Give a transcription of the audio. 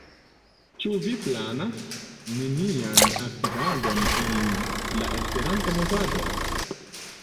Ĉu vi planas nenian aktivadon en la Esperanto-movado?